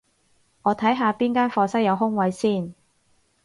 我睇下邊間課室有空位先